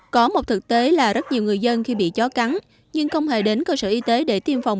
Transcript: có một thực tế là rất nhiều người dân khi bị chó cắn nhưng không hề đến cơ sở y tế để tiêm phòng